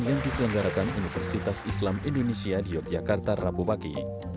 yang diselenggarakan universitas islam indonesia di yogyakarta rabu pagi